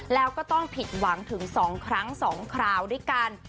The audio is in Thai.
แล้วก็ต้องผิดหวังถึง๒ครั้ง๒คราวด้วยกัน